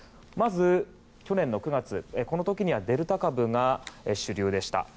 まず去年の９月にはデルタ株が主流でした。